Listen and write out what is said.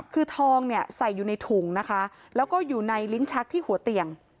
คือทองเนี่ยใส่อยู่ในถุงนะคะแล้วก็อยู่ในลิ้นชักที่หัวเตียง